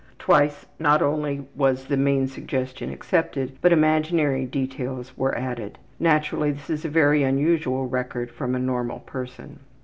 Twice not only was the main suggestion accepted, but imaginary details were added. Naturally, this is a very unusual record from a normal person.